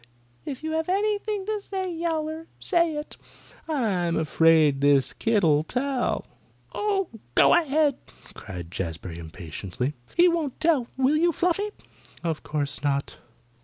If you have anything to say, Yowler, say it." "I'm afraid this kit'll tell." "Oh, go ahead!" cried Jazbury impatiently. "He won't tell; will you, Fluffy?" "Of course not."